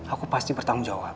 aku pasti bertanggung jawab